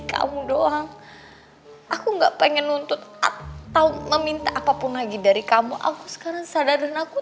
kamu doang aku enggak pengen nuntut atau meminta apapun lagi dari kamu aku sekarang sadar dan aku